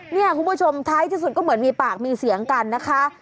เนี่ยคุณผู้ชมท้ายที่สุดก็เหมือนมีปากมีเสียงกันนะคะ